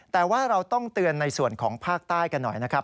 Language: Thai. แต่ว่าเราต้องเตือนในส่วนของภาคใต้กันหน่อยนะครับ